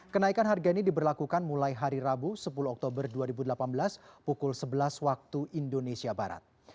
kenaikan harga ini diberlakukan mulai hari rabu sepuluh oktober dua ribu delapan belas pukul sebelas waktu indonesia barat